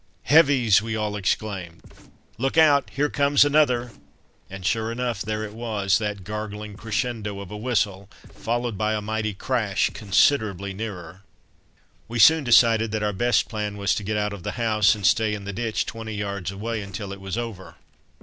"Heavies!" we all exclaimed. "Look out! here comes another!" and sure enough there it was, that gargling crescendo of a whistle followed by a mighty crash, considerably nearer. We soon decided that our best plan was to get out of the house, and stay in the ditch twenty yards away until it was over.